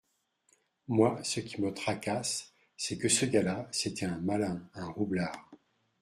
Moi, ce qui me tracasse, c’est que ce gars-là, c’était un malin, un roublard.